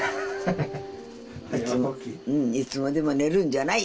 うん「いつまでも寝るんじゃない」